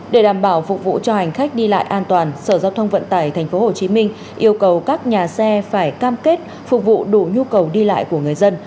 để đảm bảo phục vụ cho hành khách đi lại an toàn sở giao thông vận tải tp hcm yêu cầu các nhà xe phải cam kết phục vụ đủ nhu cầu đi lại của người dân